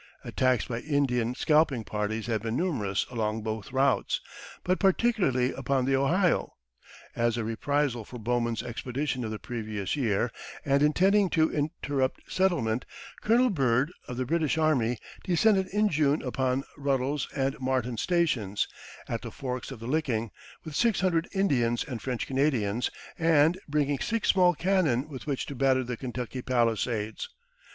Attacks by Indian scalping parties had been numerous along both routes, but particularly upon the Ohio. As a reprisal for Bowman's expedition of the previous year, and intending to interrupt settlement, Colonel Byrd, of the British Army, descended in June upon Ruddle's and Martin's Stations, at the forks of the Licking, with six hundred Indians and French Canadians, and bringing six small cannon with which to batter the Kentucky palisades.